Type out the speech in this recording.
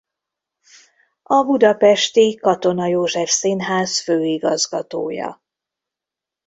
A budapesti Katona József Színház főigazgatója.